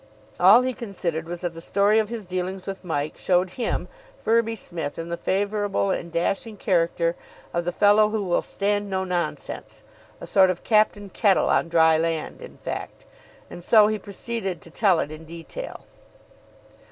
All he considered was that the story of his dealings with Mike showed him, Firby Smith, in the favourable and dashing character of the fellow who will stand no nonsense, a sort of Captain Kettle on dry land, in fact; and so he proceeded to tell it in detail.